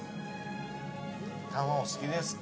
タンお好きですか？